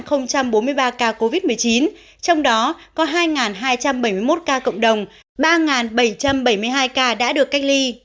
từ ngày hai mươi bảy tháng bốn đến nay hà nội có sáu bốn mươi ba ca covid một mươi chín trong đó có hai hai trăm bảy mươi một ca cộng đồng ba bảy trăm bảy mươi hai ca đã được cách ly